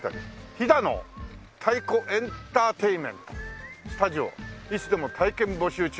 「ヒダノ太鼓エンターテイメントスタジオ」「いつでも体験募集中」